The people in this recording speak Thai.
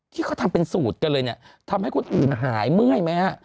ที่เขาทำเป็นสูตรกันเลยเนี่ยทำให้คนอื่นหายเมื่อยไหมฮะ